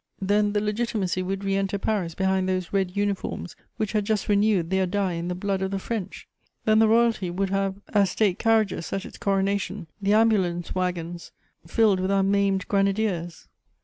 Then the Legitimacy would re enter Paris behind those red uniforms which had just renewed their die in the blood of the French! Then the royalty would have as state carriages at its coronation the ambulance waggons filled with our maimed grenadiers!